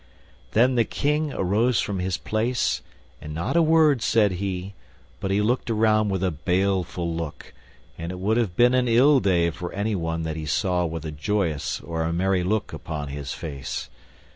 Then the King arose from his place, and not a word said he, but he looked around with a baleful look, and it would have been an ill day for anyone that he saw with a joyous or a merry look upon his face.